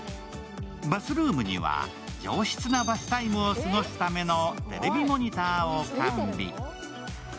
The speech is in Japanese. バスルームには、上質なバスタイムを過ごすためのテレビモニターを完備。